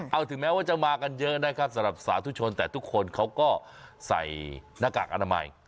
เอาถึงแม้ว่าจะมากันเยอะนะครับสำหรับสาธุชนแต่ทุกคนเขาก็ใส่หน้ากากอนามัย